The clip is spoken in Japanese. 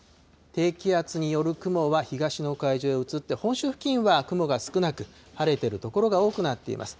低気圧による雲は東の海上へ移って、本州付近は雲が少なく、晴れてる所が多くなっています。